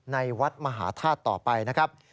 ในวัดมหาธาตุต่อไปนะครับ